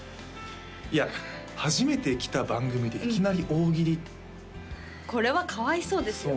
いや初めて来た番組でいきなり大喜利これはかわいそうですよ